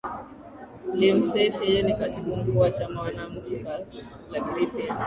lim seif yeye ni katibu mkuu wa chama wananchi kaf lakini pia